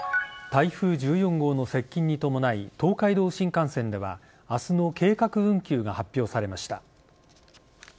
台風１４号の接近に伴い東海道新幹線では明日の計画運休が発表されました。